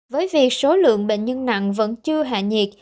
với việc số lượng bệnh nhân nặng vẫn chưa hạ nhiệt